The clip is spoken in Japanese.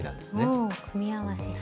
おお組み合わせ。